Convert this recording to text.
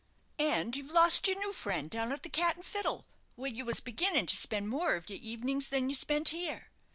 "And you've lost your new friend down at the 'Cat and Fiddle,' where you was beginning to spend more of your evenings than you spent here.